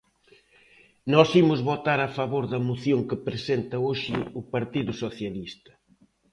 Nós imos votar a favor da moción que presenta hoxe o Partido Socialista.